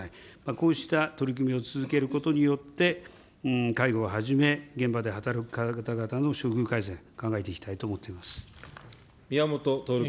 こうした取り組みを続けることによって、介護をはじめ、現場で働く方々の処遇改善、宮本徹君。